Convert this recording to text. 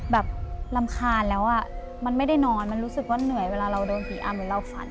แบบรำคาญแล้วอ่ะมันไม่ได้นอนมันรู้สึกว่าเหนื่อยเวลาเราโดนผีอำเหมือนเราฝัน